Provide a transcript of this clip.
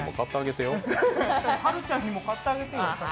はるちゃんにも買ってあげてよ。